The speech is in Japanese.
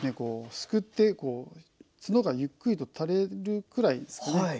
すくってツノがゆっくりと垂れるくらいですかね。